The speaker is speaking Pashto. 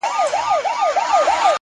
هره ورځ د نوي جوړېدو فرصت دی.